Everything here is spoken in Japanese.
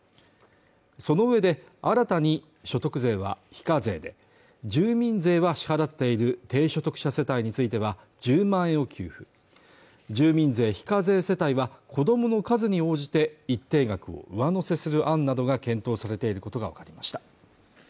そのうえで新たに所得税は非課税で住民税は支払っている低所得者世帯については１０万円を給付住民税非課税世帯は子どもの数に応じて一定額を上乗せする案などが検討されていることが分かりました